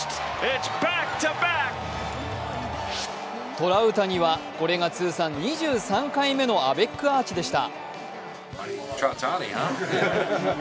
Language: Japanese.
トラウタニは、これが通算２３回目のアベックアーチでした。